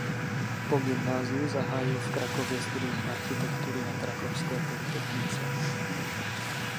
Po gymnáziu zahájil v Krakově studium architektury na Krakovské polytechnice.